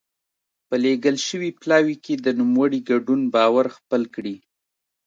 په لېږل شوي پلاوي کې د نوموړي ګډون باور خپل کړي.